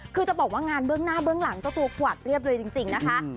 คือจะบอกว่างานเบื้องหน้าเบื้องหลังเจ้าตัวกวาดเรียบเลยจริงนะคะ